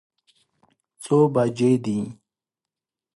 څو بجې دي؟